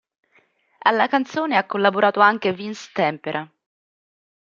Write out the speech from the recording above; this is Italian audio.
Alla canzone ha collaborato anche Vince Tempera.